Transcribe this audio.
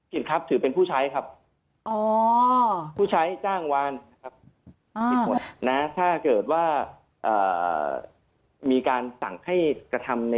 ผิดครับถือเป็นผู้ใช้ครับ